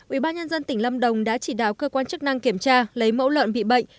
ubnd tỉnh lâm đồng đã chỉ đạo cơ quan chức năng kiểm tra lấy mẫu lợn bị bệnh